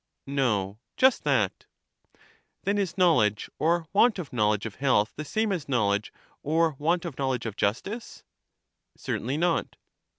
^ No, just that. Then is knowledge or want of knowledge of health the same as knowledge or want of knowledge of jus tice? Certainly not.